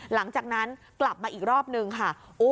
หลังจากนั้นกลับมาอีกรอบนึงค่ะ